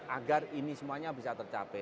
agar ini semuanya bisa tercapai